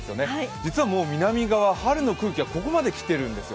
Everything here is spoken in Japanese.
実は南側、春の空気がここまで来ているんですよ。